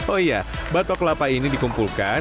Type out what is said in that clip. oh iya batok kelapa ini dikumpulkan